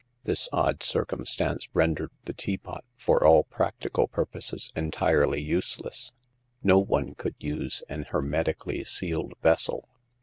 This odd circumstance rendered the teapot for all practical purposes entirely useless ; no one could use an hermetically sealed vessel.